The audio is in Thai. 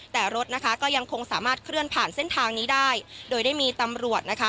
แต่รถนะคะก็ยังคงสามารถเคลื่อนผ่านเส้นทางนี้ได้โดยได้มีตำรวจนะคะ